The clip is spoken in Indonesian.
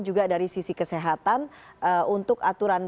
juga dari sisi kesehatan untuk aturan